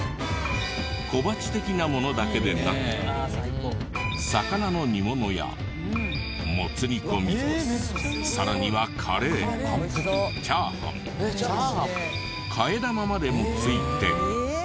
小鉢的なものだけでなく魚の煮物やもつ煮込みさらにはカレーチャーハン替え玉までも付いて。